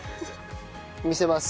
見せます。